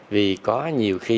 vì có nhiều khi